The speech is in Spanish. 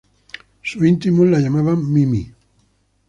Sus íntimos la llamaban "Mimi".